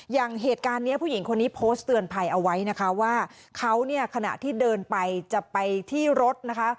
อย่างเหตุการณ์นี้ผู้หญิงคนนี้โพสต์เตือนภัยเอาไว้นะคะว่าเขาเนี่ยขณะที่เดินไปจะไปที่รถนะคะ